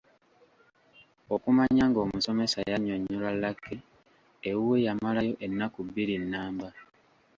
Okumanya ng’omusomesa yannyonnyola Lucky, ewuwe yamalayo ennaku bbiri nnamba.